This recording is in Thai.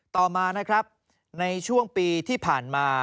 ต่อมานะครับในช่วงปีที่ผ่านมา